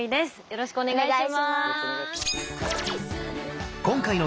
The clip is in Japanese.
よろしくお願いします！